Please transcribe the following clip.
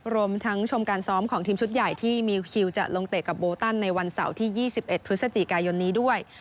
รวมทั้งชมการซ้อมของทีมชุดใหญ่ที่มิวคิวจะลงเตะกับโบตันในวันเสาร์ที่๒๑พฤศจิกายนนี้ด้วย